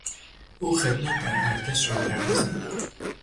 او خدمت در ارتش را برگزید.